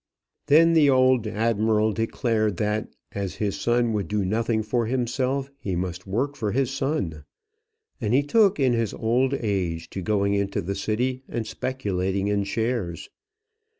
Then the old admiral declared that, as his son would do nothing for himself, he must work for his son. And he took in his old age to going into the city and speculating in shares.